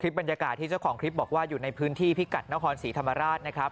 บรรยากาศที่เจ้าของคลิปบอกว่าอยู่ในพื้นที่พิกัดนครศรีธรรมราชนะครับ